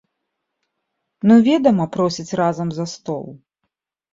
Ну, ведама, просяць разам за стол.